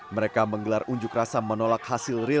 mereka menggelar unjuk rasa menolak hasil rilis